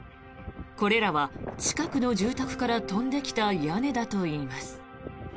これらは近くの住宅から飛んできた屋根だといいます。